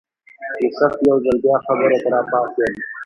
یوسف یو ځل بیا خبرو ته راپاڅېد.